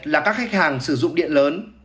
là các khách hàng sử dụng điện lớn